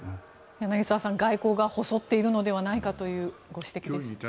柳澤さん外交が細っているのではないかというご指摘です。